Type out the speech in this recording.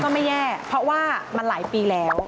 ไม่แย่เพราะว่ามันหลายปีแล้ว